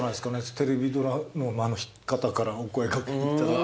テレビドラマの方からお声掛けていただく。